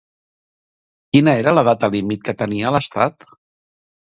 Quina era la data límit que tenia l'Estat?